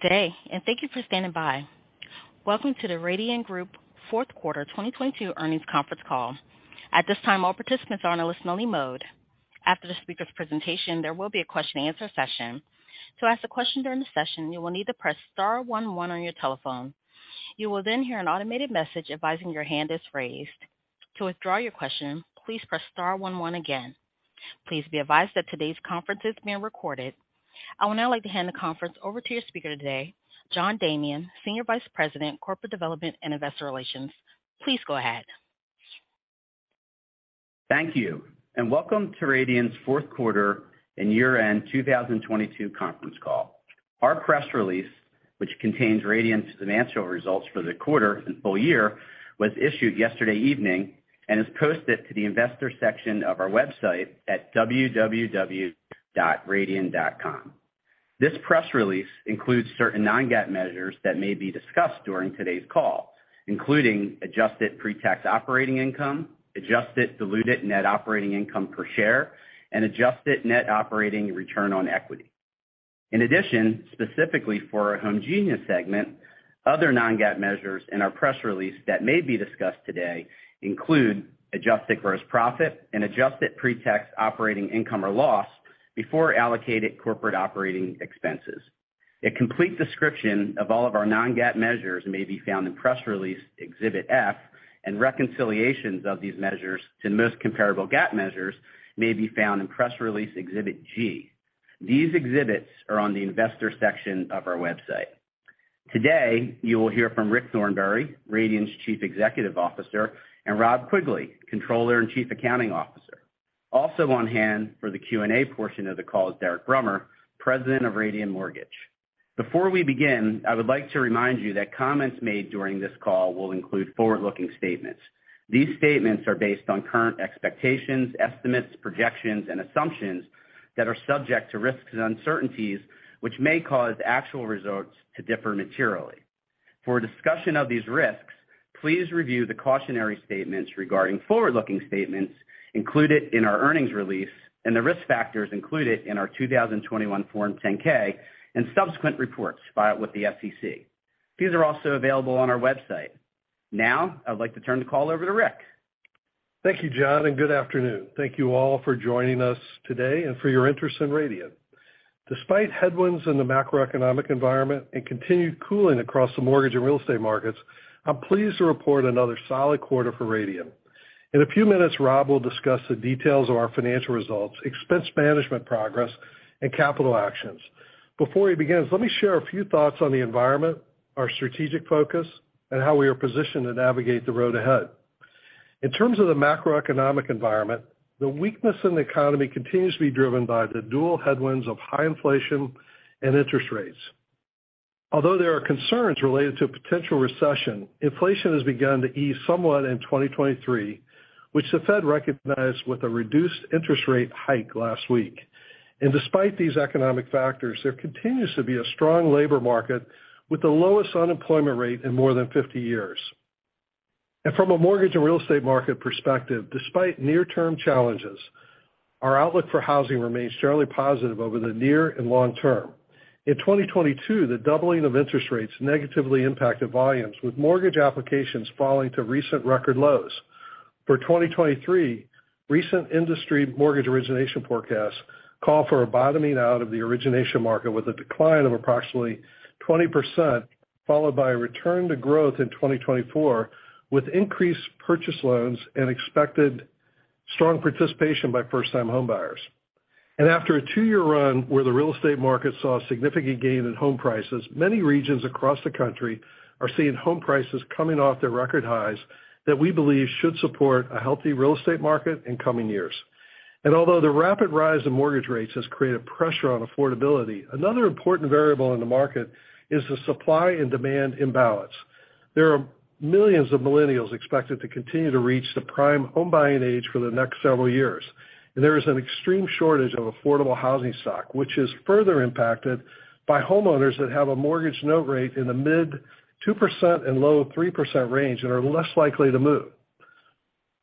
Good day, thank you for standing by. Welcome to the Radian Group Q4 2022 Earnings Conference Call. At this time, all participants are in a listen-only mode. After the speaker's presentation, there will be a question-and-answer session. To ask a question during the session, you will need to press star one one on your telephone. You will hear an automated message advising your hand is raised. To withdraw your question, please press star one one again. Please be advised that today's conference is being recorded. I would now like to hand the conference over to your speaker today, John Damian, Senior Vice President, Corporate Development and Investor Relations. Please go ahead. Thank you, and welcome to Radian's Q4 and Year-End 2022 Conference Call. Our press release, which contains Radian's financial results for the quarter and full year, was issued yesterday evening and is posted to the investor section of our website at www.radian.com. This press release includes certain non-GAAP measures that may be discussed during today's call, including adjusted pretax operating income, adjusted diluted net operating income per share, and adjusted net operating return on equity. In addition, specifically for our Homegenius segment, other non-GAAP measures in our press release that may be discussed today include adjusted gross profit and adjusted pretax operating income or loss before allocated corporate operating expenses. A complete description of all of our non-GAAP measures may be found in press release Exhibit F, and reconciliations of these measures to the most comparable GAAP measures may be found in press release Exhibit G. These exhibits are on the investor section of our website. Today, you will hear from Rick Thornberry, Radian's Chief Executive Officer, and Rob Quigley, Controller and Chief Accounting Officer. Also on hand for the Q&A portion of the call is Derek Brummer, President of Radian Mortgage. Before we begin, I would like to remind you that comments made during this call will include forward-looking statements. These statements are based on current expectations, estimates, projections, and assumptions that are subject to risks and uncertainties, which may cause actual results to differ materially. For a discussion of these risks, please review the cautionary statements regarding forward-looking statements included in our earnings release and the risk factors included in our 2021 Form 10-K and subsequent reports filed with the SEC. These are also available on our website. Now, I'd like to turn the call over to Rick. Thank you, John. Good afternoon. Thank you all for joining us today and for your interest in Radian. Despite headwinds in the macroeconomic environment and continued cooling across the mortgage and real estate markets, I'm pleased to report another solid quarter for Radian. In a few minutes, Rob will discuss the details of our financial results, expense management progress, and capital actions. Before he begins, let me share a few thoughts on the environment, our strategic focus, and how we are positioned to navigate the road ahead. In terms of the macroeconomic environment, the weakness in the economy continues to be driven by the dual headwinds of high inflation and interest rates. Although there are concerns related to potential recession, inflation has begun to ease somewhat in 2023, which the Fed recognized with a reduced interest rate hike last week. Despite these economic factors, there continues to be a strong labor market with the lowest unemployment rate in more than 50 years. From a mortgage and real estate market perspective, despite near-term challenges, our outlook for housing remains fairly positive over the near and long term. In 2022, the doubling of interest rates negatively impacted volumes, with mortgage applications falling to recent record lows. For 2023, recent industry mortgage origination forecasts call for a bottoming out of the origination market with a decline of approximately 20%, followed by a return to growth in 2024, with increased purchase loans and expected strong participation by first-time homebuyers. After a two-year run where the real estate market saw a significant gain in home prices, many regions across the country are seeing home prices coming off their record highs that we believe should support a healthy real estate market in coming years. Although the rapid rise in mortgage rates has created pressure on affordability, another important variable in the market is the supply and demand imbalance. There are millions of millennials expected to continue to reach the prime home buying age for the next several years, and there is an extreme shortage of affordable housing stock, which is further impacted by homeowners that have a mortgage note rate in the mid 2% and low 3% range and are less likely to move.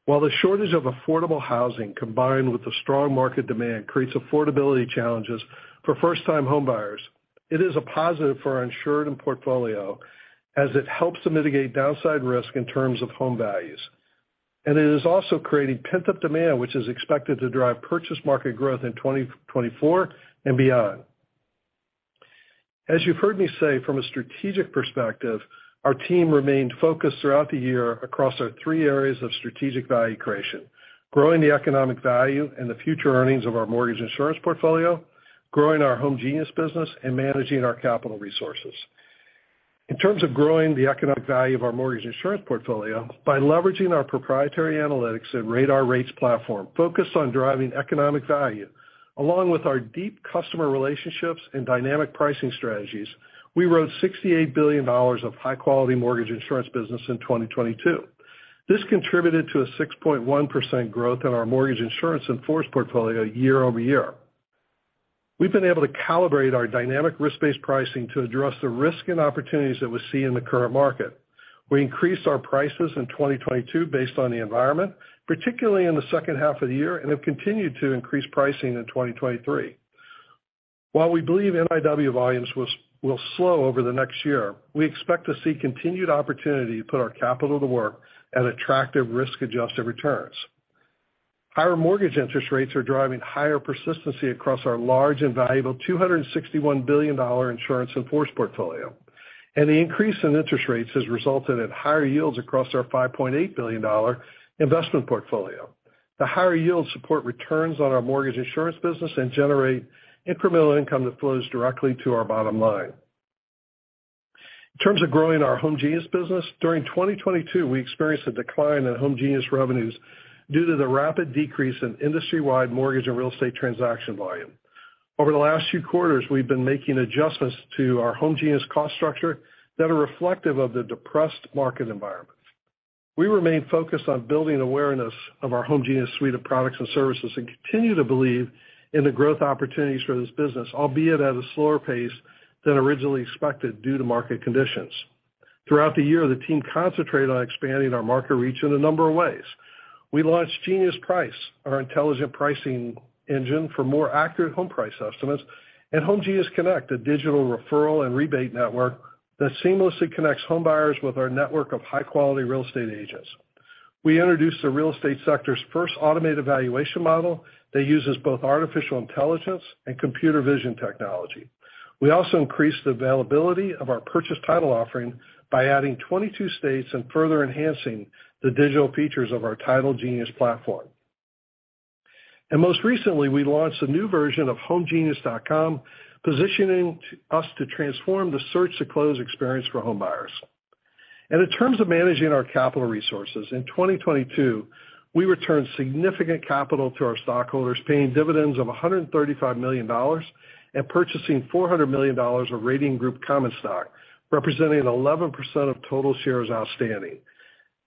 While the shortage of affordable housing combined with the strong market demand creates affordability challenges for first-time homebuyers, it is a positive for our insured portfolio as it helps to mitigate downside risk in terms of home values. It is also creating pent-up demand, which is expected to drive purchase market growth in 2024 and beyond. As you've heard me say, from a strategic perspective, our team remained focused throughout the year across our three areas of strategic value creation, growing the economic value and the future earnings of our mortgage insurance portfolio, growing our Homegenius business, and managing our capital resources. In terms of growing the economic value of our mortgage insurance portfolio, by leveraging our proprietary analytics and Radian Rates platform focused on driving economic value, along with our deep customer relationships and dynamic pricing strategies, we wrote $68 billion of high-quality mortgage insurance business in 2022. This contributed to a 6.1% growth in our mortgage insurance in-force portfolio year-over-year. We've been able to calibrate our dynamic risk-based pricing to address the risk and opportunities that we see in the current market. We increased our prices in 2022 based on the environment, particularly in the second half of the year, and have continued to increase pricing in 2023. While we believe MIW volumes will slow over the next year, we expect to see continued opportunity to put our capital to work at attractive risk-adjusted returns. Higher mortgage interest rates are driving higher persistency across our large and valuable $261 billion insurance in force portfolio. The increase in interest rates has resulted in higher yields across our $5.8 billion investment portfolio. The higher yields support returns on our mortgage insurance business and generate incremental income that flows directly to our bottom line. In terms of growing our Homegenius business, during 2022, we experienced a decline in Homegenius revenues due to the rapid decrease in industry-wide mortgage and real estate transaction volume. Over the last few quarters, we've been making adjustments to our Homegenius cost structure that are reflective of the depressed market environment. We remain focused on building awareness of our Homegenius suite of products and services, and continue to believe in the growth opportunities for this business, albeit at a slower pace than originally expected due to market conditions. Throughout the year, the team concentrated on expanding our market reach in a number of ways. We launched geniusprice, our intelligent pricing engine for more accurate home price estimates, and Homegenius Connect, a digital referral and rebate network that seamlessly connects homebuyers with our network of high-quality real estate agents. We introduced the real estate sector's first automated valuation model that uses both Artificial Intelligence and computer vision technology. We also increased the availability of our purchase title offering by adding 22 states and further enhancing the digital features of our titlegenius platform. Most recently, we launched a new version of homegenius.com, positioning us to transform the search-to-close experience for homebuyers. In terms of managing our capital resources, in 2022, we returned significant capital to our stockholders, paying dividends of $135 million and purchasing $400 million of Radian Group common stock, representing 11% of total shares outstanding.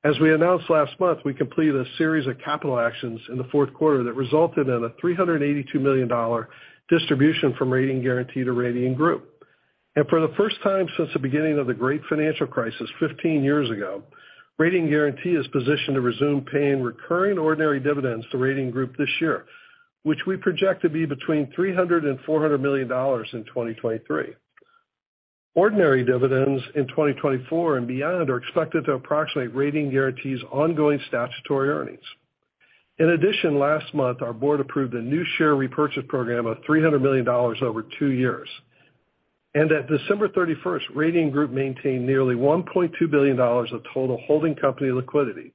As we announced last month, we completed a series of capital actions in Q4 that resulted in a $382 million distribution from Radian Guaranty to Radian Group. For the first time since the beginning of the great financial crisis 15 years ago, Radian Guaranty is positioned to resume paying recurring ordinary dividends to Radian Group this year, which we project to be between $300-400 million in 2023. Ordinary dividends in 2024 and beyond are expected to approximate Radian Guaranty's ongoing statutory earnings. In addition, last month, our board approved a new share repurchase program of $300 million over two years. At December 31, Radian Group maintained nearly $1.2 billion of total holding company liquidity.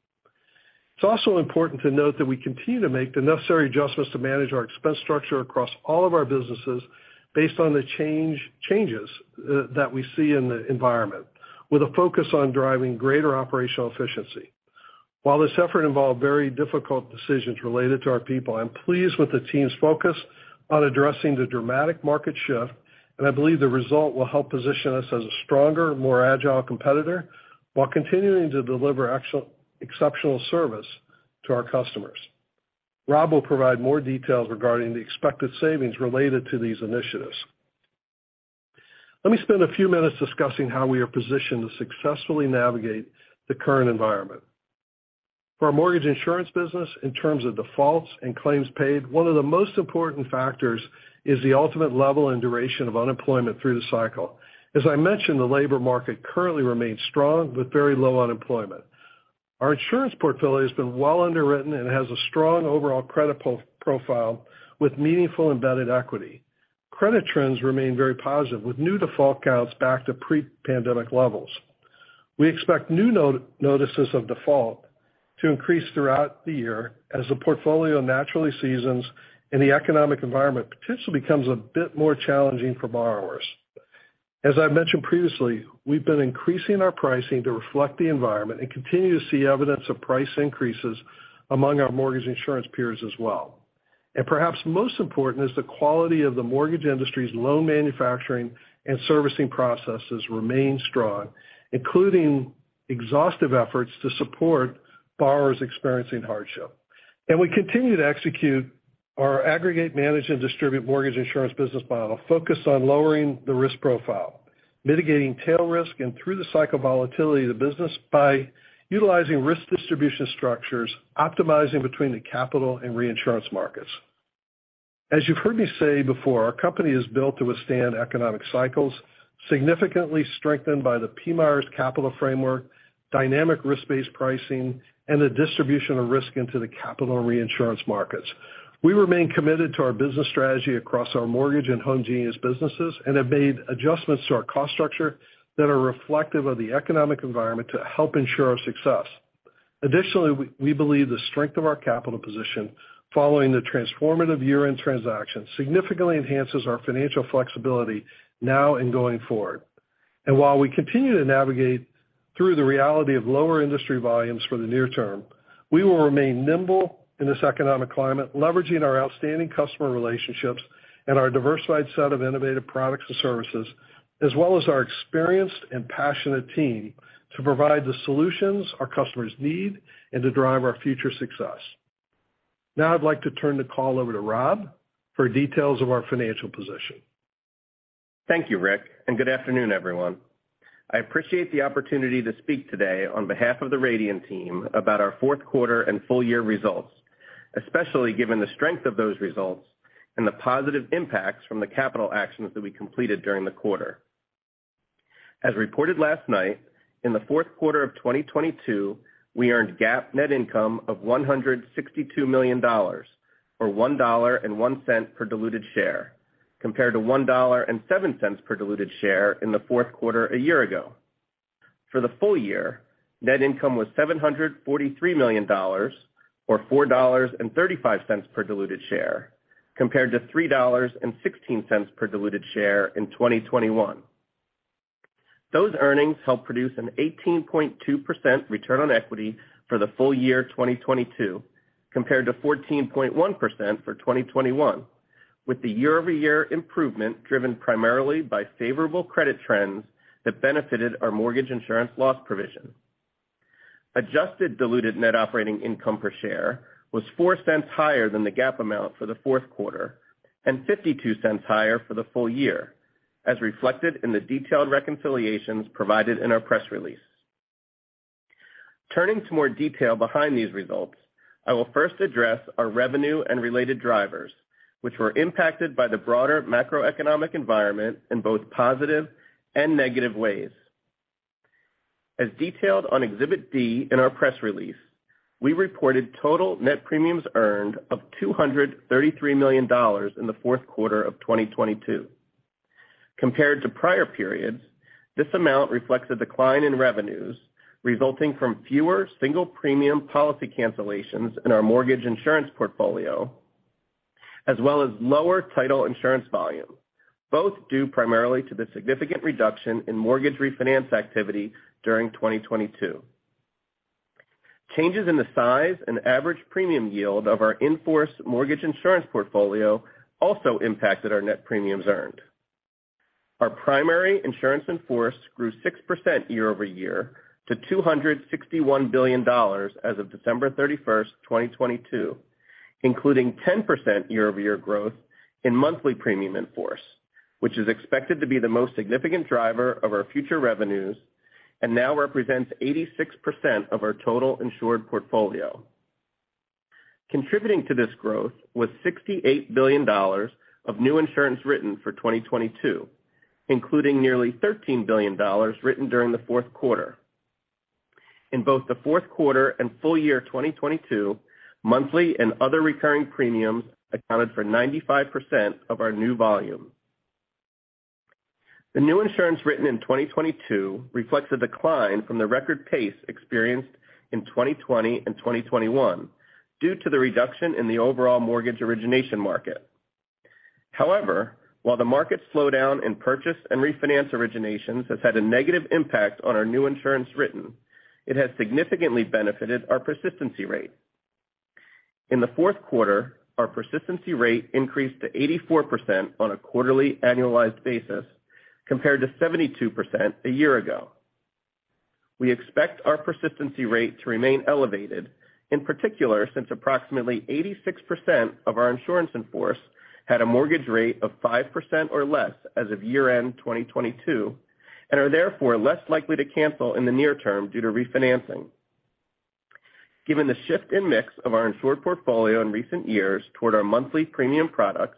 It's also important to note that we continue to make the necessary adjustments to manage our expense structure across all of our businesses based on the changes that we see in the environment, with a focus on driving greater operational efficiency. While this effort involved very difficult decisions related to our people, I'm pleased with the team's focus on addressing the dramatic market shift, and I believe the result will help position us as a stronger, more agile competitor while continuing to deliver exceptional service to our customers. Rob will provide more details regarding the expected savings related to these initiatives. Let me spend a few minutes discussing how we are positioned to successfully navigate the current environment. For our mortgage insurance business, in terms of defaults and claims paid, one of the most important factors is the ultimate level and duration of unemployment through the cycle. As I mentioned, the labor market currently remains strong with very low unemployment. Our insurance portfolio has been well underwritten and has a strong overall credit profile with meaningful embedded equity. Credit trends remain very positive, with new default counts back to pre-pandemic levels. We expect new notices of default to increase throughout the year as the portfolio naturally seasons and the economic environment potentially becomes a bit more challenging for borrowers. As I mentioned previously, we've been increasing our pricing to reflect the environment and continue to see evidence of price increases among our mortgage insurance peers as well. Perhaps most important is the quality of the mortgage industry's loan manufacturing and servicing processes remain strong, including exhaustive efforts to support borrowers experiencing hardship. We continue to execute our aggregate manage and distribute mortgage insurance business model focused on lowering the risk profile, mitigating tail risk, and through the cycle volatility of the business by utilizing risk distribution structures, optimizing between the capital and reinsurance markets. As you've heard me say before, our company is built to withstand economic cycles, significantly strengthened by the PMIERs capital framework, dynamic risk-based pricing, and the distribution of risk into the capital and reinsurance markets. We remain committed to our business strategy across our mortgage and Homegenius businesses and have made adjustments to our cost structure that are reflective of the economic environment to help ensure our success. Additionally, we believe the strength of our capital position following the transformative year-end transaction significantly enhances our financial flexibility now and going forward. While we continue to navigate through the reality of lower industry volumes for the near term, we will remain nimble in this economic climate, leveraging our outstanding customer relationships and our diversified set of innovative products and services, as well as our experienced and passionate team, to provide the solutions our customers need and to drive our future success. Now I'd like to turn the call over to Rob for details of our financial position. Thank you, Rick, good afternoon, everyone. I appreciate the opportunity to speak today on behalf of the Radian team about our Q4 and full year results, especially given the strength of those results and the positive impacts from the capital actions that we completed during the quarter. As reported last night, in Q4 of 2022, we earned GAAP net income of $162 million, or 1.01 per diluted share, compared to 1.07 per diluted share in Q4 a year ago. For the full year, net income was $743 million or 4.35 per diluted share, compared to 3.16 per diluted share in 2021. Those earnings helped produce an 18.2% return on equity for the full year 2022, compared to 14.1% for 2021, with the year-over-year improvement driven primarily by favorable credit trends that benefited our mortgage insurance loss provision. Adjusted diluted net operating income per share was $0.04 higher than the GAAP amount for Q4 and 0.52 higher for the full year, as reflected in the detailed reconciliations provided in our press release. Turning to more detail behind these results, I will first address our revenue and related drivers, which were impacted by the broader macroeconomic environment in both positive and negative ways. As detailed on Exhibit D in our press release, we reported total net premiums earned of $233 million in Q4 of 2022. Compared to prior periods, this amount reflects a decline in revenues resulting from fewer single premium policy cancellations in our mortgage insurance portfolio, as well as lower title insurance volume, both due primarily to the significant reduction in mortgage refinance activity during 2022. Changes in the size and average premium yield of our in-force mortgage insurance portfolio also impacted our net premiums earned. Our primary insurance in force grew 6% year-over-year to $261 billion as of December 31, 2022, including 10% year-over-year growth in monthly premium in force, which is expected to be the most significant driver of our future revenues and now represents 86% of our total insured portfolio. Contributing to this growth was $68 billion of new insurance written for 2022, including nearly $13 billion written during Q4. In both Q4 and full year 2022, monthly and other recurring premiums accounted for 95% of our new volume. The new insurance written in 2022 reflects a decline from the record pace experienced in 2020 and 2021 due to the reduction in the overall mortgage origination market. However, while the market slowdown in purchase and refinance originations has had a negative impact on our new insurance written, it has significantly benefited our persistency rate. In Q4, our persistency rate increased to 84% on a quarterly annualized basis compared to 72% a year ago. We expect our persistency rate to remain elevated, in particular, since approximately 86% of our insurance in force had a mortgage rate of 5% or less as of year-end 2022, and are therefore less likely to cancel in the near term due to refinancing. Given the shift in mix of our insured portfolio in recent years toward our monthly premium products,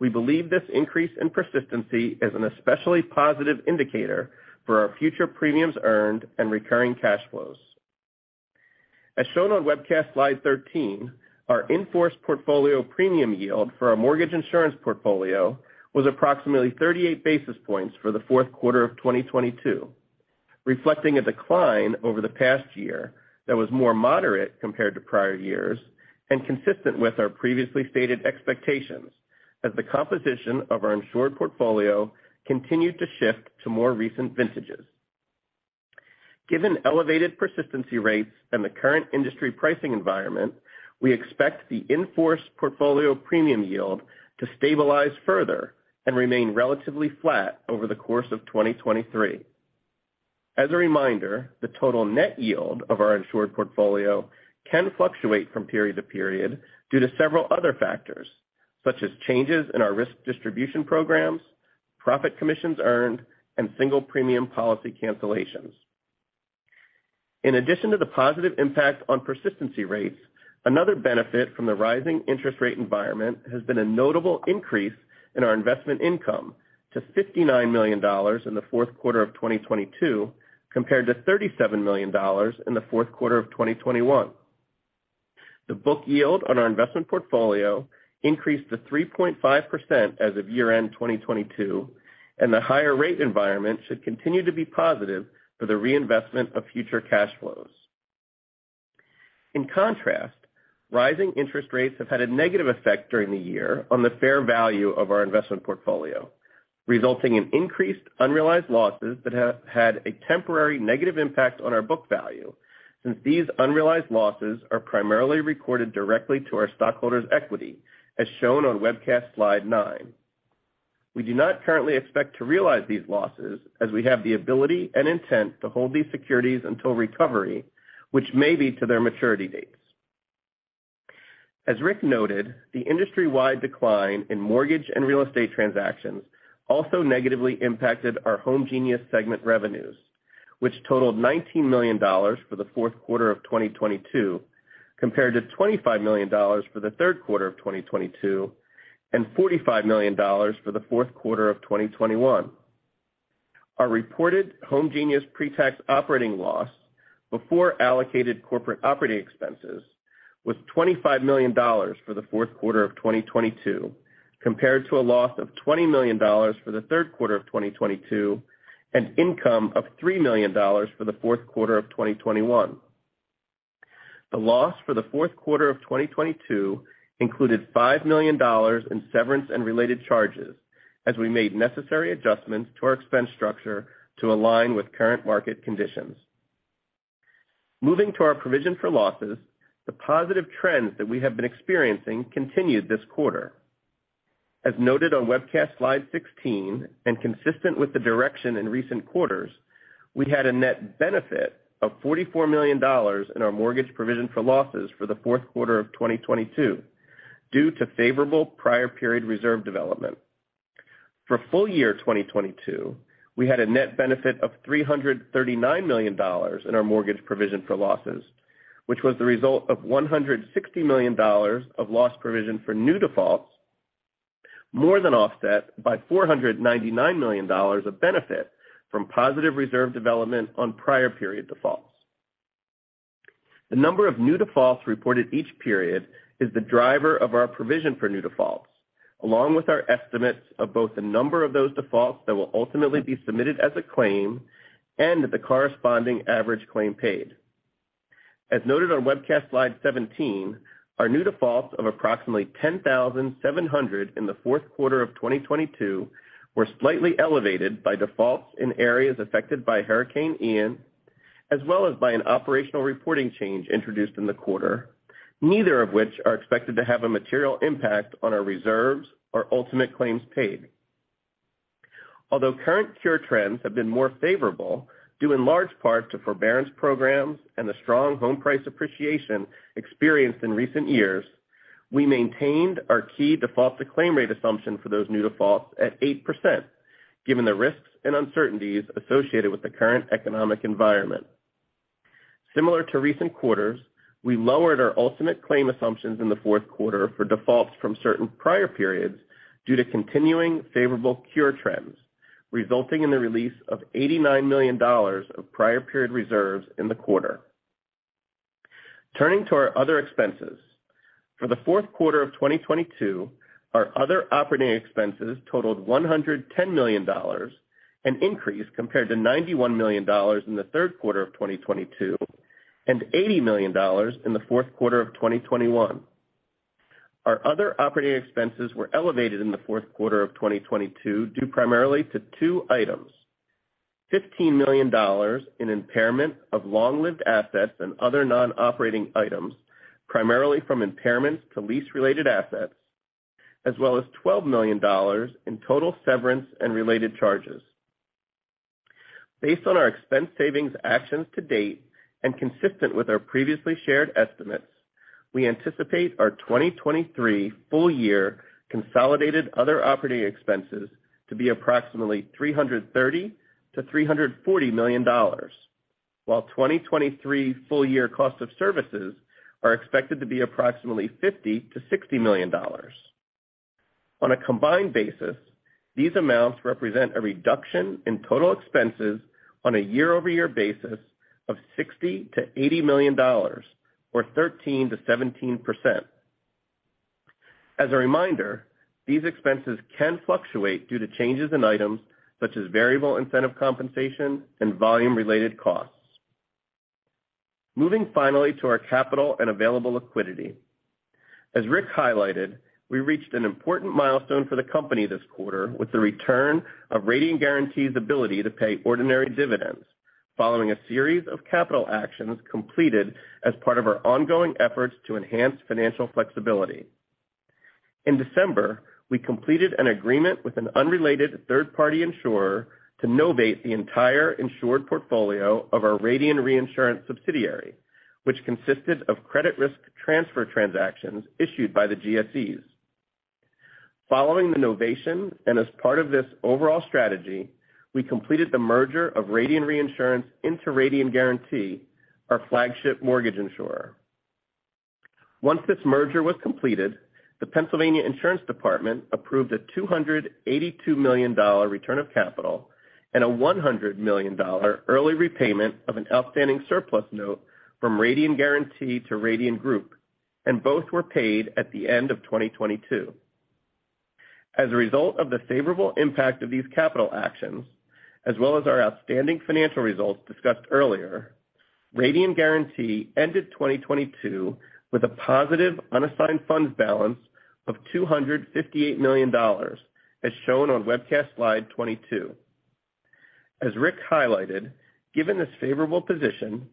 we believe this increase in persistency is an especially positive indicator for our future premiums earned and recurring cash flows. As shown on webcast slide 13, our in-force portfolio premium yield for our mortgage insurance portfolio was approximately 38 basis points for Q4 of 2022, reflecting a decline over the past year that was more moderate compared to prior years and consistent with our previously stated expectations as the composition of our insured portfolio continued to shift to more recent vintages. Given elevated persistency rates and the current industry pricing environment, we expect the in-force portfolio premium yield to stabilize further and remain relatively flat over the course of 2023. As a reminder, the total net yield of our insured portfolio can fluctuate from period to period due to several other factors, such as changes in our risk distribution programs, profit commissions earned, and single premium policy cancellations. In addition to the positive impact on persistency rates, another benefit from the rising interest rate environment has been a notable increase in our investment income to $59 in Q4 of 2022 compared to 37 million in Q4 of 2021. The book yield on our investment portfolio increased to 3.5% as of year-end 2022, and the higher rate environment should continue to be positive for the reinvestment of future cash flows. In contrast, rising interest rates have had a negative effect during the year on the fair value of our investment portfolio, resulting in increased unrealized losses that have had a temporary negative impact on our book value, since these unrealized losses are primarily recorded directly to our stockholders' equity, as shown on webcast slide nine. We do not currently expect to realize these losses as we have the ability and intent to hold these securities until recovery, which may be to their maturity date. As Rick noted, the industry-wide decline in mortgage and real estate transactions also negatively impacted our Homegenius segment revenues, which totaled $19 for Q4 of 2022 compared to 25 million for Q3 of 2022 and 45 million for Q4 of 2021. Our reported Homegenius pretax operating loss before allocated corporate operating expenses was $25 for Q4 of 2022 compared to a loss of 20 million for Q3 of 2022, and income of $3 million for Q4 of 2021. The loss for Q4 of 2022 included $5 million in severance and related charges as we made necessary adjustments to our expense structure to align with current market conditions. Moving to our provision for losses, the positive trends that we have been experiencing continued this quarter. As noted on webcast slide 16, and consistent with the direction in recent quarters, we had a net benefit of $44 million in our mortgage provision for losses for Q4 of 2022 due to favorable prior period reserve development. For full year 2022, we had a net benefit of $339 million in our mortgage provision for losses, which was the result of $160 million of loss provision for new defaults, more than offset by $499 million of benefit from positive reserve development on prior period defaults. The number of new defaults reported each period is the driver of our provision for new defaults, along with our estimates of both the number of those defaults that will ultimately be submitted as a claim and the corresponding average claim paid. As noted on webcast slide 17, our new defaults of approximately 10,700 in Q4 of 2022 were slightly elevated by defaults in areas affected by Hurricane Ian, as well as by an operational reporting change introduced in the quarter, neither of which are expected to have a material impact on our reserves or ultimate claims paid. Although current cure trends have been more favorable, due in large part to forbearance programs and the strong home price appreciation experienced in recent years, we maintained our key default to claim rate assumption for those new defaults at 8% given the risks and uncertainties associated with the current economic environment. Similar to recent quarters, we lowered our ultimate claim assumptions in Q4 for defaults from certain prior periods due to continuing favorable cure trends, resulting in the release of $89 million of prior period reserves in the quarter. Turning to our other expenses. For Q4 of 2022, our other operating expenses totaled $110, an increase compared to 91 million in Q3 of 2022 and 80 million in Q4 of 2021. Our other operating expenses were elevated in Q4 of 2022 due primarily to two items: $15 million in impairment of long-lived assets and other non-operating items, primarily from impairments to lease related assets, as well as $12 million in total severance and related charges. Based on our expense savings actions to date and consistent with our previously shared estimates, we anticipate our 2023 full year consolidated other operating expenses to be approximately $330-340 million, while 2023 full year cost of services are expected to be approximately $50-60 million. On a combined basis, these amounts represent a reduction in total expenses on a year-over-year basis of $60-80 million or 13%-17%. As a reminder, these expenses can fluctuate due to changes in items such as variable incentive compensation and volume related costs. Moving finally to our capital and available liquidity. As Rick highlighted, we reached an important milestone for the company this quarter with the return of Radian Guaranty's ability to pay ordinary dividends following a series of capital actions completed as part of our ongoing efforts to enhance financial flexibility. In December, we completed an agreement with an unrelated third-party insurer to novate the entire insured portfolio of our Radian Reinsurance subsidiary, which consisted of credit risk transfer transactions issued by the GSEs. Following the novation and as part of this overall strategy, we completed the merger of Radian Reinsurance into Radian Guaranty, our flagship mortgage insurer. Once this merger was completed, the Pennsylvania Insurance Department approved a $282 million return of capital and a $100 million early repayment of an outstanding surplus note from Radian Guaranty to Radian Group, and both were paid at the end of 2022. As a result of the favorable impact of these capital actions, as well as our outstanding financial results discussed earlier, Radian Guaranty ended 2022 with a positive unassigned funds balance of $258 million, as shown on webcast slide 22. As Rick highlighted, given this favorable position,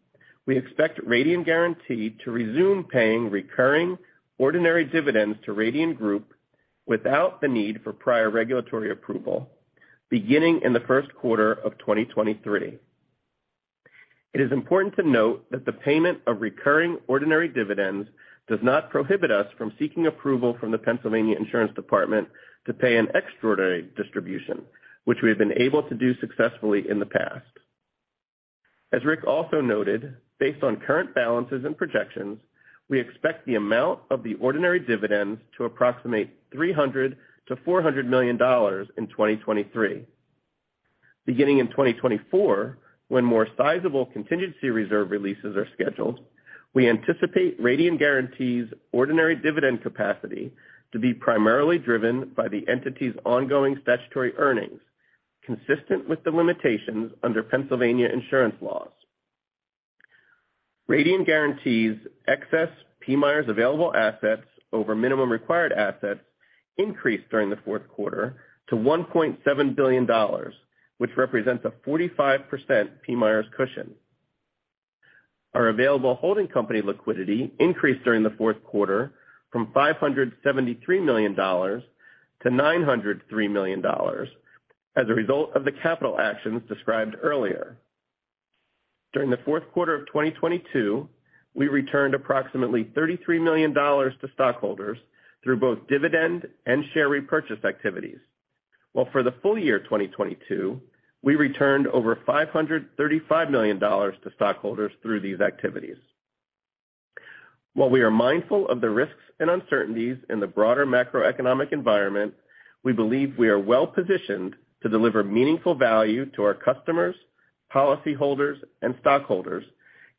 we expect Radian Guaranty to resume paying recurring ordinary dividends to Radian Group without the need for prior regulatory approval beginning in Q1 of 2023. It is important to note that the payment of recurring ordinary dividends does not prohibit us from seeking approval from the Pennsylvania Insurance Department to pay an extraordinary distribution, which we have been able to do successfully in the past. Rick also noted, based on current balances and projections, we expect the amount of the ordinary dividends to approximate $300-400 million in 2023. Beginning in 2024, when more sizable contingency reserve releases are scheduled, we anticipate Radian Guaranty's ordinary dividend capacity to be primarily driven by the entity's ongoing statutory earnings, consistent with the limitations under Pennsylvania insurance laws. Radian Guaranty's excess PMIERs available assets over minimum required assets increased during Q4 to $1.7 billion, which represents a 45% PMIERs cushion. Our available holding company liquidity increased during Q4 from $573 to 903 million as a result of the capital actions described earlier. During Q4 of 2022, we returned approximately $33 million to stockholders through both dividend and share repurchase activities, while for the full year 2022, we returned over $535 million to stockholders through these activities. While we are mindful of the risks and uncertainties in the broader macroeconomic environment, we believe we are well-positioned to deliver meaningful value to our customers, policyholders, and stockholders,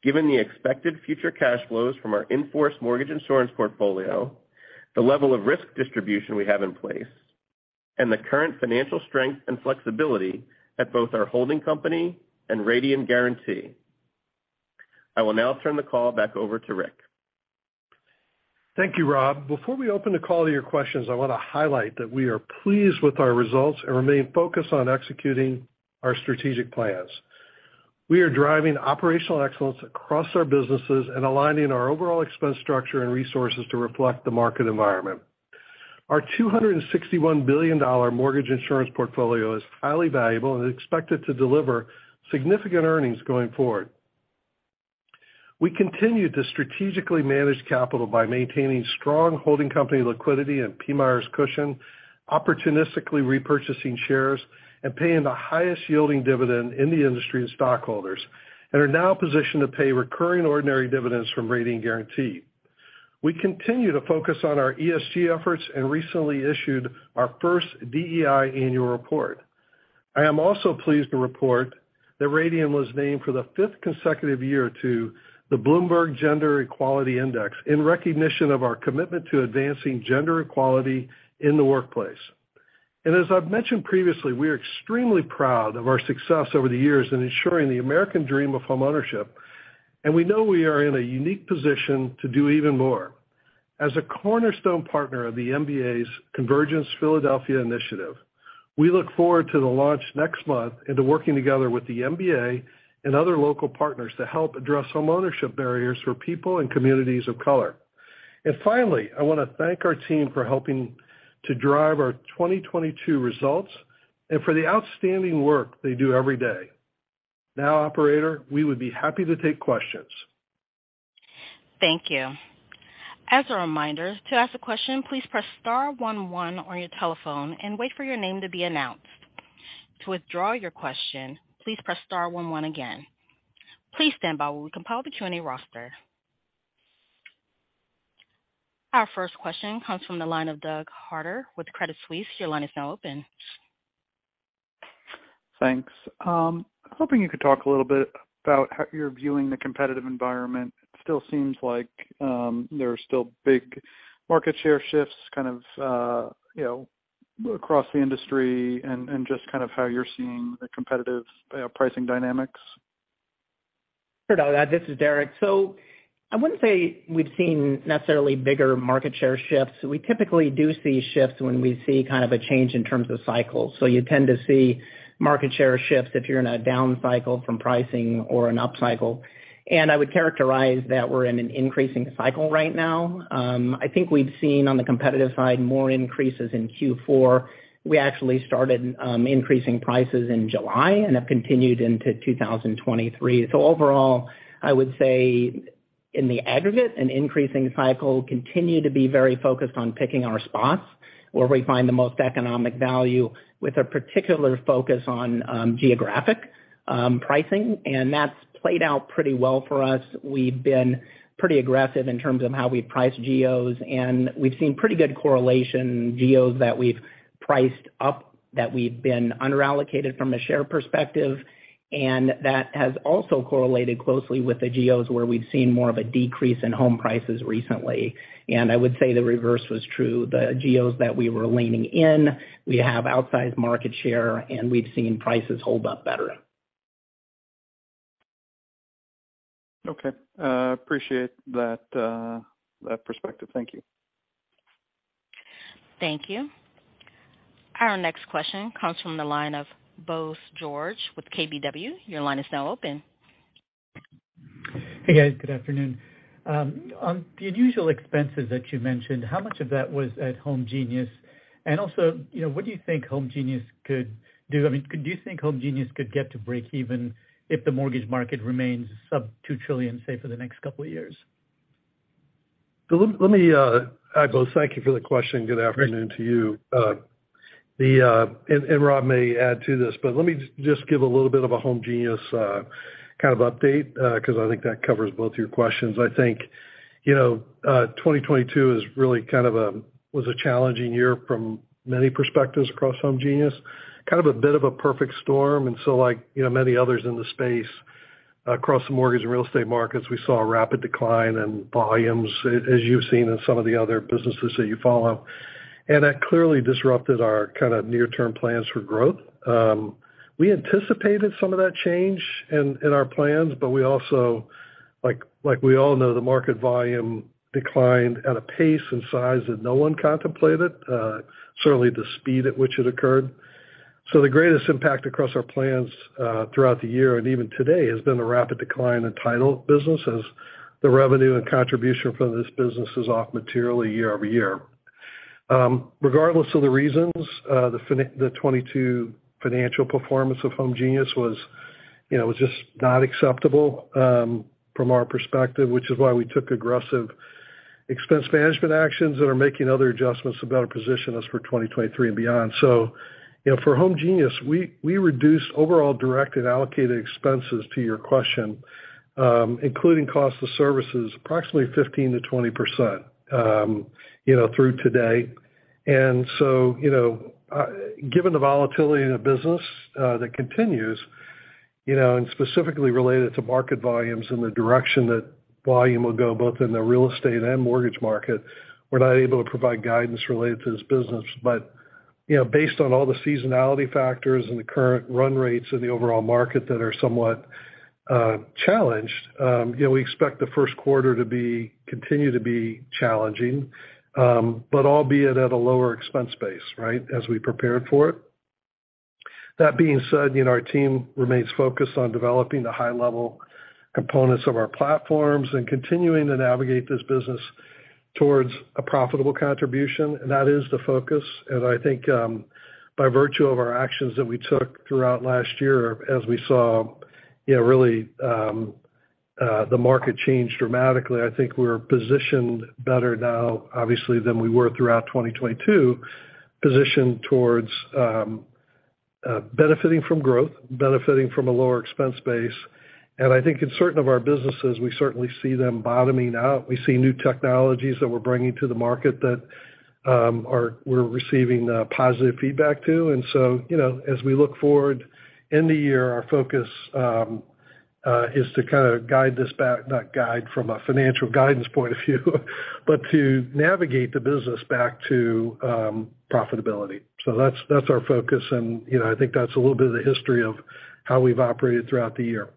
given the expected future cash flows from our in-force mortgage insurance portfolio, the level of risk distribution we have in place, and the current financial strength and flexibility at both our holding company and Radian Guaranty. I will now turn the call back over to Rick. Thank you, Rob. Before we open the call to your questions, I wanna highlight that we are pleased with our results and remain focused on executing our strategic plans. We are driving operational excellence across our businesses and aligning our overall expense structure and resources to reflect the market environment. Our $261 billion mortgage insurance portfolio is highly valuable and is expected to deliver significant earnings going forward. We continue to strategically manage capital by maintaining strong holding company liquidity and PMIERs cushion, opportunistically repurchasing shares, and paying the highest-yielding dividend in the industry to stockholders, and are now positioned to pay recurring ordinary dividends from Radian Guaranty. We continue to focus on our ESG efforts and recently issued our first DEI annual report. I am also pleased to report that Radian was named for the fifth consecutive year to the Bloomberg Gender-Equality Index in recognition of our commitment to advancing gender equality in the workplace. As I've mentioned previously, we are extremely proud of our success over the years in ensuring the American dream of homeownership, and we know we are in a unique position to do even more. As a cornerstone partner of the MBA's CONVERGENCE Philadelphia initiative, we look forward to the launch next month into working together with the MBA and other local partners to help address homeownership barriers for people and communities of color. Finally, I wanna thank our team for helping to drive our 2022 results and for the outstanding work they do every day. Now, operator, we would be happy to take questions. Thank you. As a reminder, to ask a question, please press star one one on your telephone and wait for your name to be announced. To withdraw your question, please press star one one again. Please stand by while we compile the Q&A roster. Our first question comes from the line of Doug Harter with Credit Suisse. Your line is now open. Thanks. Hoping you could talk a little bit about how you're viewing the competitive environment. It still seems like, there are still big market share shifts kind of, you know, across the industry, and just kind of how you're seeing the competitive pricing dynamics. Sure, Doug. This is Derek. I wouldn't say we've seen necessarily bigger market share shifts. We typically do see shifts when we see kind of a change in terms of cycles. You tend to see market share shifts if you're in a down cycle from pricing or an up cycle. I would characterize that we're in an increasing cycle right now. I think we've seen, on the competitive side, more increases in Q4. We actually started increasing prices in July and have continued into 2023. Overall, I would say in the aggregate and increasing cycle, continue to be very focused on picking our spots where we find the most economic value with a particular focus on geographic pricing. That's played out pretty well for us. We've been pretty aggressive in terms of how we price geos, and we've seen pretty good correlation in geos that we've priced up, that we've been under-allocated from a share perspective. That has also correlated closely with the geos where we've seen more of a decrease in home prices recently. I would say the reverse was true. The geos that we were leaning in, we have outsized market share, and we've seen prices hold up better. Okay. appreciate that perspective. Thank you. Thank you. Our next question comes from the line of Bose George with KBW. Your line is now open. Hey, guys. Good afternoon. On the unusual expenses that you mentioned, how much of that was at Homegenius? You know, what do you think Homegenius could do? I mean, could you think Homegenius could get to breakeven if the mortgage market remains sub $2 trillion, say, for the next couple of years? Let me I both thank you for the question. Good afternoon to you. The and Rob may add to this, let me just give a little bit of a Homegenius kind of update 'cause I think that covers both of your questions. I think, you know, 2022 is really kind of was a challenging year from many perspectives across Homegenius, kind of a bit of a perfect storm. Like, you know, many others in the space across the mortgage and real estate markets, we saw a rapid decline in volumes as you've seen in some of the other businesses that you follow. That clearly disrupted our kinda near-term plans for growth. We anticipated some of that change in our plans, we also, like we all know, the market volume declined at a pace and size that no one contemplated, certainly, the speed at which it occurred. The greatest impact across our plans throughout the year and even today has been the rapid decline in title business as the revenue and contribution from this business is off materially year-over-year. Regardless of the reasons, the 2022 financial performance of Homegenius was, you know, just not acceptable from our perspective, which is why we took aggressive expense management actions and are making other adjustments to better position us for 2023 and beyond. You know, for Homegenius, we reduced overall direct and allocated expenses to your question, including cost of services, approximately 15%-20% through today. Given the volatility in the business that continues, you know, and specifically related to market volumes and the direction that volume will go both in the real estate and mortgage market, we're not able to provide guidance related to this business. Based on all the seasonality factors and the current run rates in the overall market that are somewhat challenged, you know, we expect Q1 to continue to be challenging, but albeit at a lower expense base, right, as we prepared for it. That being said, you know, our team remains focused on developing the high-level components of our platforms and continuing to navigate this business towards a profitable contribution. That is the focus. I think, by virtue of our actions that we took throughout last year as we saw, you know, really, the market change dramatically, I think we're positioned better now, obviously, than we were throughout 2022, positioned towards, benefiting from growth, benefiting from a lower expense base. I think in certain of our businesses, we certainly see them bottoming out. We see new technologies that we're bringing to the market that we're receiving positive feedback to. You know, as we look forward in the year, our focus is to kind of guide this back, not guide from a financial guidance point of view, but to navigate the business back to profitability. That's our focus. You know, I think that's a little bit of the history of how we've operated throughout the year.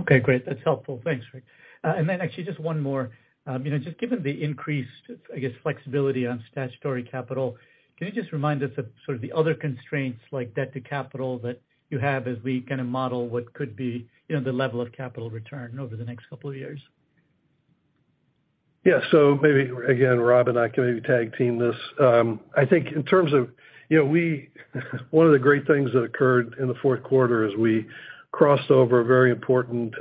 Okay, great. That's helpful. Thanks, Rick. Actually just one more. You know, just given the increased, I guess, flexibility on statutory capital, can you just remind us of sort of the other constraints like debt to capital that you have as we kinda model what could be, you know, the level of capital return over the next couple of years? Yeah. Maybe, again, Rob and I can maybe tag team this. I think in terms of. You know, one of the great things that occurred in Q4 is we crossed over a very important,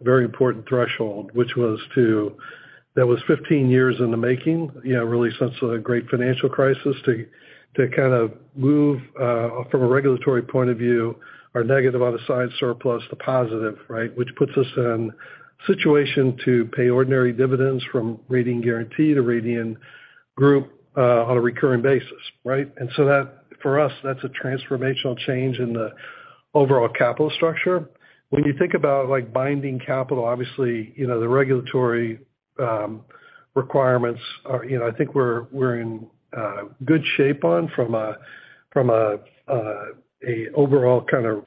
very important threshold, which was that was 15 years in the making, you know, really since the Great Financial Crisis, to kind of move from a regulatory point of view, our negative on the side surplus to positive, right. Which puts us in a situation to pay ordinary dividends from Radian Guaranty to Radian Group on a recurring basis, right. That for us, that's a transformational change in the overall capital structure. When you think about, like, binding capital, obviously, you know, the regulatory requirements are, you know, I think we're in good shape from an overall kind of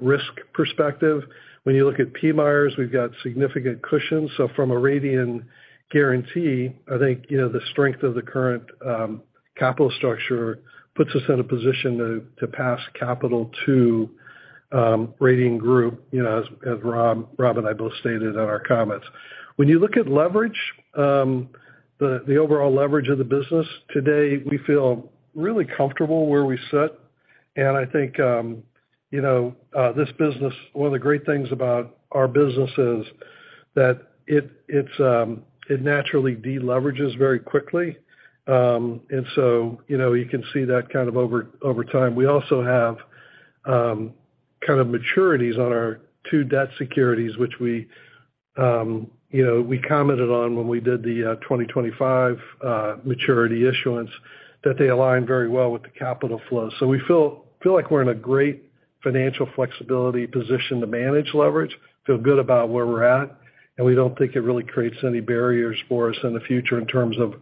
risk perspective. When you look at PMIERs, we've got significant cushions. From a Radian Guaranty, I think, you know, the strength of the current capital structure puts us in a position to pass capital to Radian Group, you know, as Rob and I both stated in our comments. When you look at leverage, the overall leverage of the business, today, we feel really comfortable where we sit. I think, you know, this business, one of the great things about our business is that it's, it naturally de-leverages very quickly. You know, you can see that over time. We also have maturities on our two debt securities, which we, you know, we commented on when we did the 2025 maturity issuance, that they align very well with the capital flow. We feel like we're in a great financial flexibility position to manage leverage. Feel good about where we're at, and we don't think it really creates any barriers for us in the future in terms of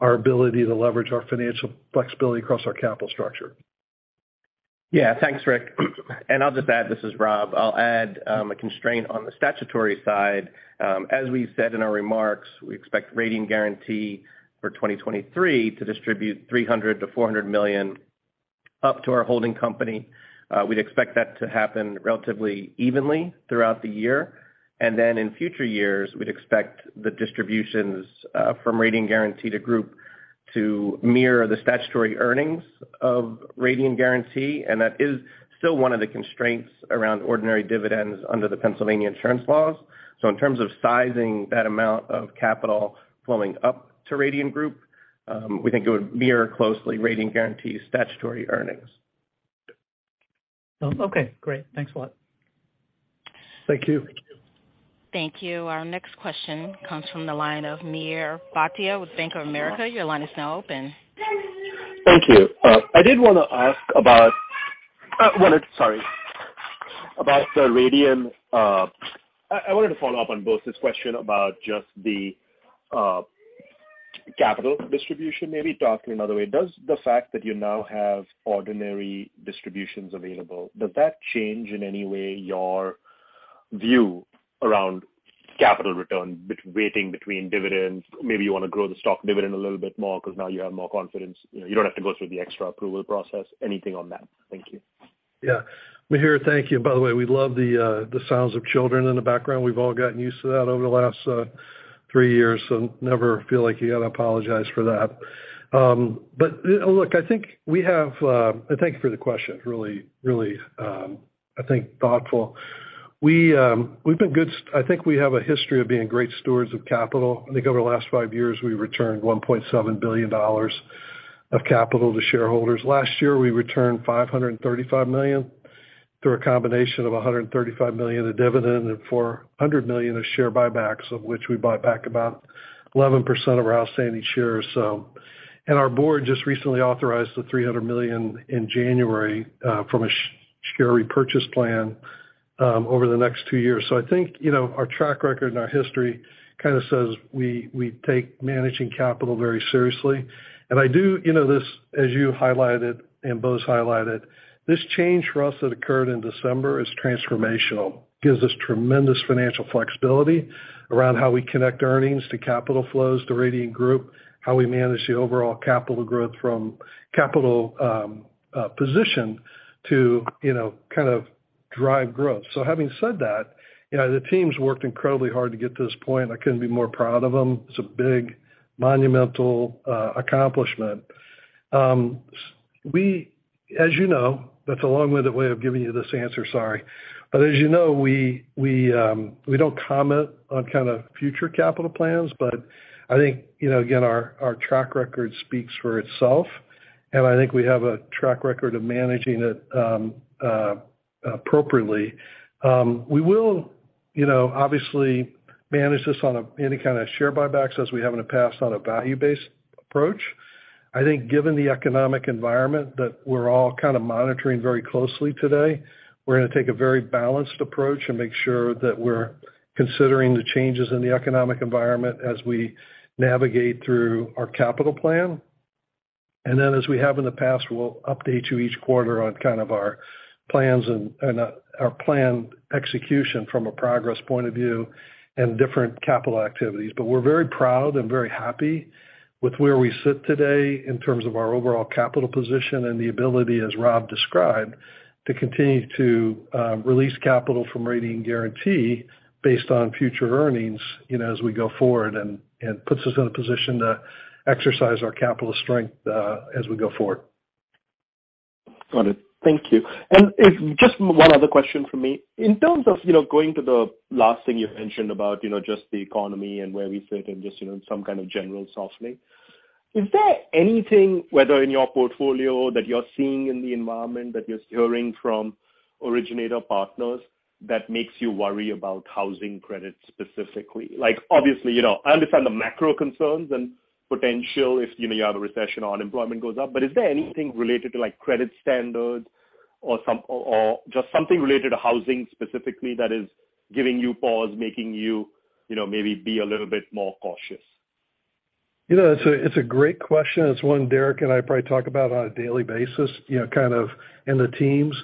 our ability to leverage our financial flexibility across our capital structure. Yeah. Thanks, Rick. I'll just add, this is Rob. I'll add a constraint on the statutory side. As we said in our remarks, we expect Radian Guaranty for 2023 to distribute $300-400 million up to our holding company. We'd expect that to happen relatively evenly throughout the year. In future years, we'd expect the distributions from Radian Guaranty to Group to mirror the statutory earnings of Radian Guaranty, that is still one of the constraints around ordinary dividends under the Pennsylvania insurance laws. In terms of sizing that amount of capital flowing up to Radian Group, we think it would mirror closely Radian Guaranty's statutory earnings. Oh, okay, great. Thanks a lot. Thank you. Thank you. Thank you. Our next question comes from the line of Mihir Bhatia with Bank of America. Your line is now open. Thank you. I did wanna ask about, sorry, about the Radian... I wanted to follow up on Bose's question about just the capital distribution, maybe talk to me another way. Does the fact that you now have ordinary distributions available, does that change in any way your view around capital return weighting between dividends? Maybe you wanna grow the stock dividend a little bit more because now you have more confidence, you know, you don't have to go through the extra approval process. Anything on that? Thank you. Yeah. Mihir, thank you. By the way, we love the sounds of children in the background. We've all gotten used to that over the last three years, so never feel like you gotta apologize for that. Look, I think we have... Thank you for the question, really, I think, thoughtful. I think we have a history of being great stewards of capital. I think over the last five years, we've returned $1.7 billion of capital to shareholders. Last year, we returned $535 million through a combination of $135 million in dividend and $400 million of share buybacks, of which we bought back about 11% of our outstanding shares. Our board just recently authorized the $300 million in January, from a share repurchase plan, over the next two years. I think, you know, our track record and our history kinda says we take managing capital very seriously. I do, you know this, as you highlighted and Bose highlighted, this change for us that occurred in December is transformational, gives us tremendous financial flexibility around how we connect earnings to capital flows to Radian Group, how we manage the overall capital growth from capital position to, you know, kind of drive growth. Having said that, you know, the team's worked incredibly hard to get to this point. I couldn't be more proud of them. It's a big, monumental accomplishment. We, as you know, that's a long-winded way of giving you this answer, sorry. As you know, we don't comment on kinda future capital plans, but I think, you know, again, our track record speaks for itself, and I think we have a track record of managing it appropriately. We will, you know, obviously manage this on any kinda share buybacks as we have in the past on a value-based approach. I think given the economic environment that we're all kind of monitoring very closely today, we're gonna take a very balanced approach and make sure that we're considering the changes in the economic environment as we navigate through our capital plan. As we have in the past, we'll update you each quarter on kind of our plans and our planned execution from a progress point of view and different capital activities. We're very proud and very happy with where we sit today in terms of our overall capital position and the ability, as Rob described, to continue to release capital from Radian Guaranty based on future earnings, you know, as we go forward and puts us in a position to exercise our capital strength as we go forward. Got it. Thank you. If just one other question from me. In terms of, you know, going to the last thing you mentioned about, you know, just the economy and where we sit and just, you know, some kind of general softening, is there anything, whether in your portfolio that you're seeing in the environment that you're hearing from originator partners that makes you worry about housing credit specifically? Like, obviously, you know, I understand the macro concerns and potential if, you know, you have a recession or unemployment goes up, is there anything related to like credit standards or just something related to housing specifically that is giving you pause, making you know, maybe be a little bit more cautious? You know, it's a, it's a great question. It's one Derek and I probably talk about on a daily basis, you know, kind of in the teams.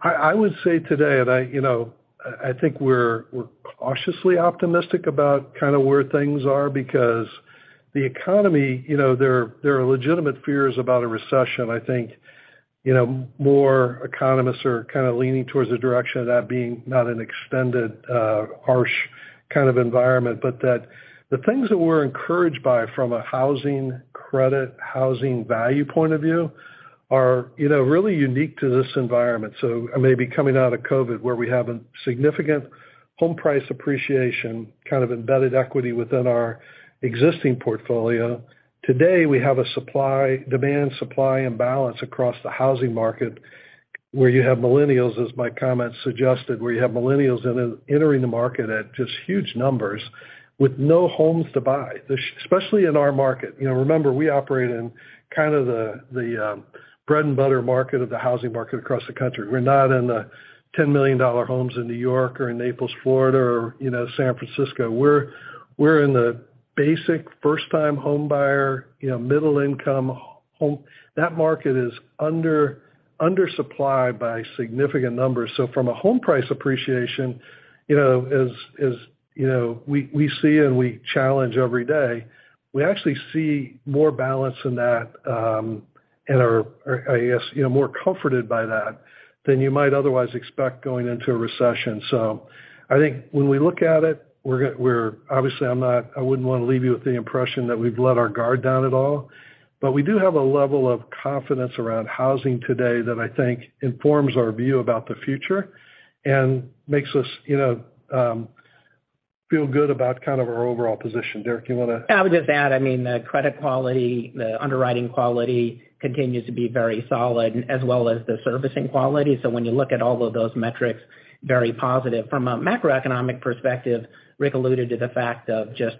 I would say today, I think we're cautiously optimistic about kinda where things are because the economy, you know, there are legitimate fears about a recession. I think, you know, more economists are kind of leaning towards the direction of that being not an extended, harsh kind of environment, but that the things that we're encouraged by from a housing credit, housing value point of view are, you know, really unique to this environment. Maybe coming out of COVID, where we have a significant home price appreciation, kind of embedded equity within our existing portfolio. Today, we have a supply, demand, supply, and balance across the housing market, where you have millennials, as my comments suggested, where you have millennials entering the market at just huge numbers with no homes to buy, especially in our market. You know, remember, we operate in kind of the bread and butter market of the housing market across the country. We're not in the $10 million homes in New York or in Naples, Florida or, you know, San Francisco. We're in the basic first-time home buyer, you know, middle-income home. That market is undersupplied by significant numbers. From a home price appreciation, you know, as, you know, we see and we challenge every day, we actually see more balance in that, I guess, you know, more comforted by that than you might otherwise expect going into a recession. I think when we look at it, we're obviously I'm not, I wouldn't wanna leave you with the impression that we've let our guard down at all. We do have a level of confidence around housing today that I think informs our view about the future and makes us, you know, feel good about kind of our overall position. Derek, do you? I mean, the credit quality, the underwriting quality continues to be very solid as well as the servicing quality. When you look at all of those metrics, very positive. From a macroeconomic perspective, Rick alluded to the fact of just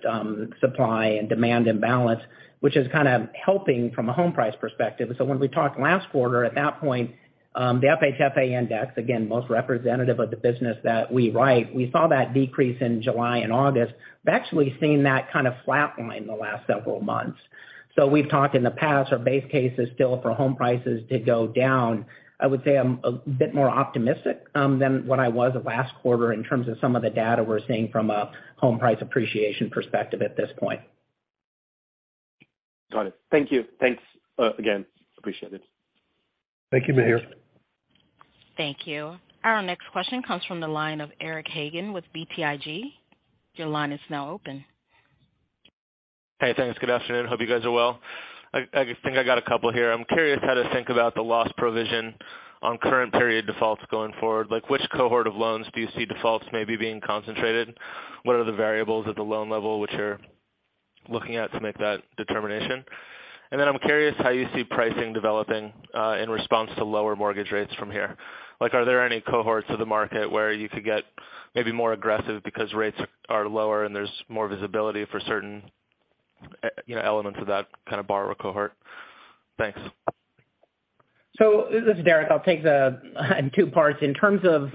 supply and demand imbalance, which is kind of helping from a home price perspective. When we talked last quarter, at that point, the FHFA index, again, most representative of the business that we write, we saw that decrease in July and August. We're actually seeing that kind of flatline the last several months. We've talked in the past, our base case is still for home prices to go down. I would say I'm a bit more optimistic than what I was last quarter in terms of some of the data we're seeing from a home price appreciation perspective at this point. Got it. Thank you. Thanks again. Appreciate it. Thank you, Mihir. Thank you. Our next question comes from the line of Eric Hagen with BTIG. Your line is now open. Hey, thanks. Good afternoon. Hope you guys are well. I think I got a couple here. I'm curious how to think about the loss provision on current period defaults going forward. Like, which cohort of loans do you see defaults maybe being concentrated? What are the variables at the loan level which you're looking at to make that determination? I'm curious how you see pricing developing in response to lower mortgage rates from here. Like, are there any cohorts of the market where you could get maybe more aggressive because rates are lower and there's more visibility for certain you know, elements of that kind of borrower cohort? Thanks. This is Derek. I'll take the in two parts. In terms of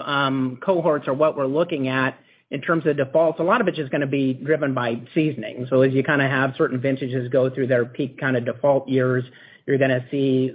cohorts or what we're looking at in terms of defaults, a lot of it is gonna be driven by seasoning. As you kinda have certain vintages go through their peak kinda default years, you're gonna see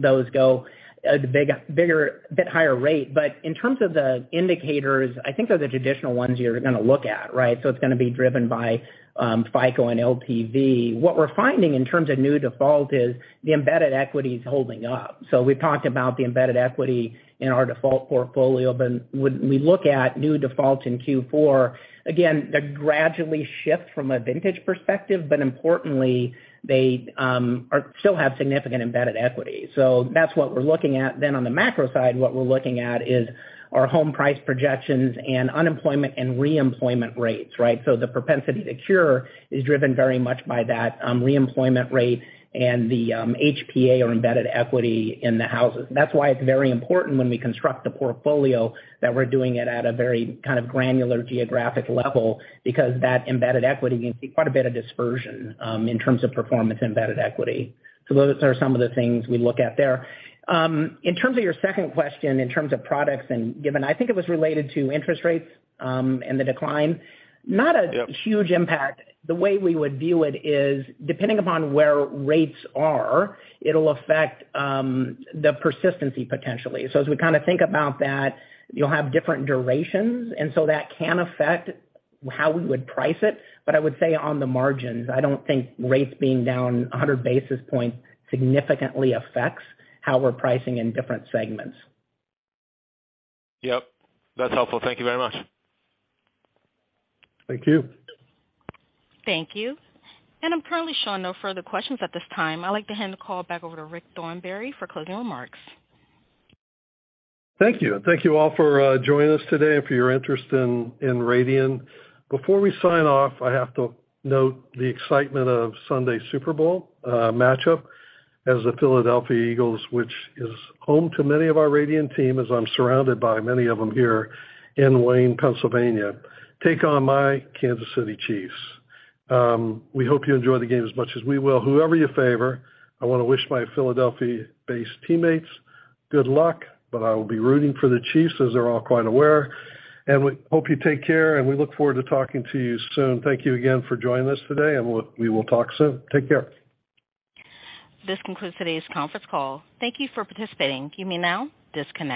those go a bit higher rate. In terms of the indicators, I think they're the traditional ones you're gonna look at, right? It's gonna be driven by FICO and LTV. What we're finding in terms of new default is the embedded equity is holding up. We've talked about the embedded equity in our default portfolio. When we look at new defaults in Q4, again, they gradually shift from a vintage perspective, but importantly, they are still have significant embedded equity. That's what we're looking at. On the macro side, what we're looking at is our home price projections and unemployment and reemployment rates, right? The propensity to cure is driven very much by that reemployment rate and the HPA or embedded equity in the houses. That's why it's very important when we construct a portfolio that we're doing it at a very kind of granular geographic level because that embedded equity can see quite a bit of dispersion in terms of performance embedded equity. Those are some of the things we look at there. In terms of your second question, in terms of products and given I think it was related to interest rates and the decline, not a...... Yep. -huge impact. The way we would view it is, depending upon where rates are, it'll affect the persistency potentially. As we kinda think about that, you'll have different durations, and so that can affect how we would price it. I would say on the margins, I don't think rates being down 100 basis points significantly affects how we're pricing in different segments. Yep. That's helpful. Thank you very much. Thank you. Thank you. I'm currently showing no further questions at this time. I'd like to hand the call back over to Rick Thornberry for closing remarks. Thank you. Thank you all for joining us today and for your interest in Radian. Before we sign off, I have to note the excitement of Sunday's Super Bowl matchup as the Philadelphia Eagles, which is home to many of our Radian team, as I'm surrounded by many of them here in Wayne, Pennsylvania, take on my Kansas City Chiefs. We hope you enjoy the game as much as we will. Whoever you favor, I wanna wish my Philadelphia-based teammates good luck, but I will be rooting for the Chiefs as they're all quite aware. We hope you take care, and we look forward to talking to you soon. Thank you again for joining us today, and we will talk soon. Take care. This concludes today's conference call. Thank you for participating. You may now disconnect.